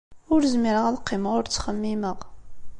Ur zmireɣ ad qqimeɣ ur ttxemmimeɣ.